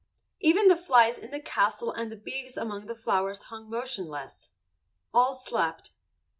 Even the flies in the castle and the bees among the flowers hung motionless. All slept.